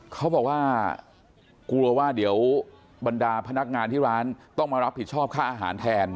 เขาบอกว่ากลัวว่าเดี๋ยวบรรดาพนักงานที่ร้านต้องมารับผิดชอบค่าอาหารแทน